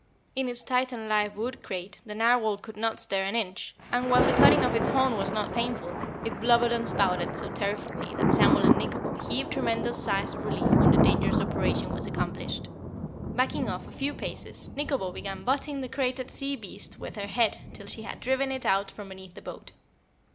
In its tight and live wood crate the Narwhal could not stir an inch, and, while the cutting of its horn was not painful, it blubbered and spouted so terrifically that Samuel and Nikobo heaved tremendous sighs of relief when the dangerous operation was accomplished. Backing off a few paces, Nikobo began butting the crated sea beast with her head till she had driven it out from beneath the boat.